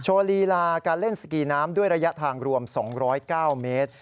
ลีลาการเล่นสกีน้ำด้วยระยะทางรวม๒๐๙เมตร